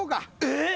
えっ！？